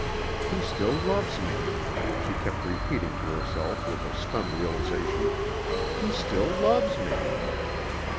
"He still loves me," she kept repeating to herself with a stunned realization, "he still loves me!"